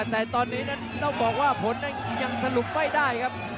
แต่ตอนนี้นั้นต้องบอกว่าผลนั้นยังสรุปไม่ได้ครับ